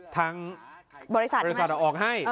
ทางบริษัทออกให้